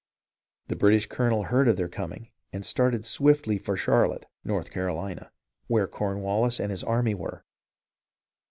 The British colonel heard of their coming and started swiftly for Charlotte (North Carolina), where Cornwallis and his army were.